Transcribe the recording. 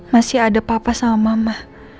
masih ada papa sama mama